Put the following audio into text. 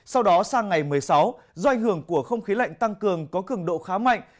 sau đó sang ngày một mươi sáu do ảnh hưởng của không khí lạnh tăng cường có cường độ khá mạnh